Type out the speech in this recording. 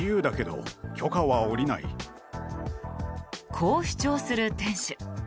こう主張する店主。